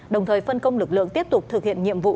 đồng thời phân công lực lượng tiếp tục thực hiện nhiệm vụ